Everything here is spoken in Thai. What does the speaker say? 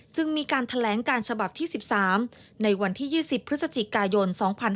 จึงมีการแถลงการฉบับที่๑๓ในวันที่๒๐พฤศจิกายน๒๕๕๙